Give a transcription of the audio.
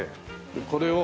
これを。